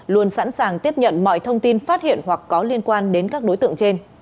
luôn sẵn sàng tiếp nhận mọi thông tin phát hiện hoặc có liên quan đến các đối tượng trên